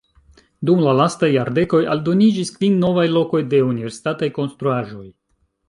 Dum la lastaj jardekoj aldoniĝis kvin novaj lokoj de universitataj konstruaĵoj.